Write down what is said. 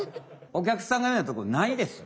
お客さんがいうようなとこないです！